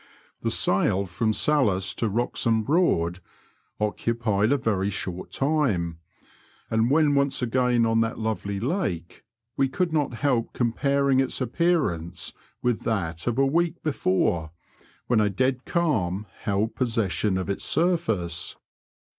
The sail from Salhonse to Wroxham Broad occupied a Tory short time, and when once again on that lovely lake we could not help comparing its appearance with that of a week before, when a dead calm held possession of its surfeu^e.